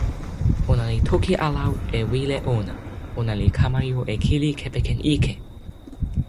ona li toki ala e wile ona. ona li kama jo e kili kepeken ike!